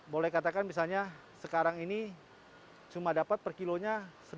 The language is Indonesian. boleh katakan misalnya sekarang ini cuma dapat per kilonya satu lima ratus